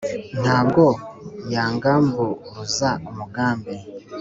ntabwo yangamburuza umugambi